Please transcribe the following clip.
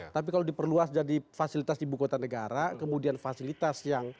tapi kalau diperluas jadi fasilitas ibu kota negara kemudian fasilitas yang